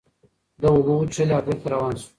ده اوبه وڅښلې او بېرته روان شو.